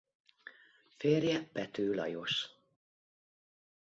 Férje Pető Lajos.